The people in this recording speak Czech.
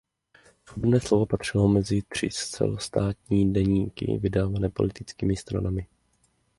Svobodné slovo patřilo mezi tři celostátní deníky vydávané politickými stranami.